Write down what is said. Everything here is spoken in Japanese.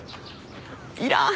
いらん。